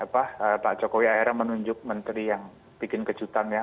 pak jokowi akhirnya menunjuk menteri yang bikin kejutan ya